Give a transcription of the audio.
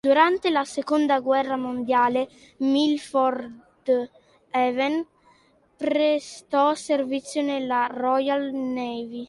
Durante la Seconda guerra mondiale Milford Haven prestò servizio nella Royal Navy.